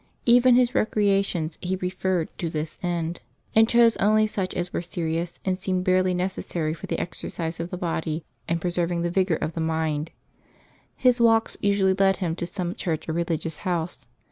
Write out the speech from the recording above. Even his recreations he referred to this end, and chose only such as were serious and seemed barely necessary for the exercise of the body and preserving the vigor of the mind. His walks usually led him to some church or religious house.